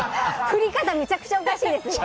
振り方めちゃくちゃおかしいです。